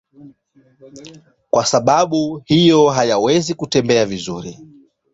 Kwa sababu hiyo hawawezi kutembea vizuri.